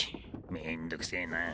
めんどくせえなあ。